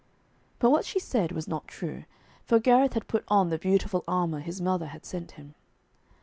But what she said was not true, for Gareth had put on the beautiful armour his mother had sent him.